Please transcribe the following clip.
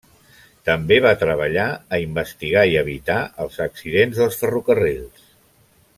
També va treballar a investigar i evitar els accidents dels ferrocarrils.